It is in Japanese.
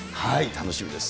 楽しみです。